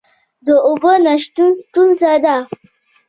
د اوبو نشتون ستونزه ده؟